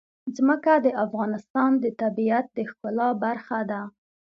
ځمکه د افغانستان د طبیعت د ښکلا برخه ده.